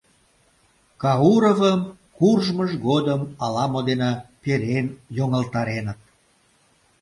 Кауровым куржмыж годым ала-мо дене перен йоҥылтареныт.